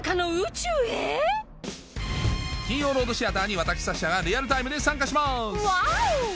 金曜ロードシアターに私サッシャがリアルタイムで参加しますワオ！